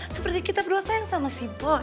seperti kita berdua sayang sama si boy